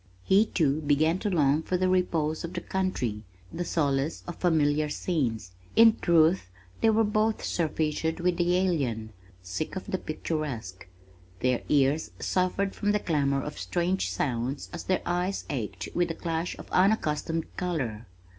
He too, began to long for the repose of the country, the solace of familiar scenes. In truth they were both surfeited with the alien, sick of the picturesque. Their ears suffered from the clamor of strange sounds as their eyes ached with the clash of unaccustomed color.